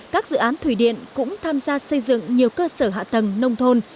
các dự án thủy điện cũng tham gia xây dựng nhiều cơ sở hạ tầng nông thôn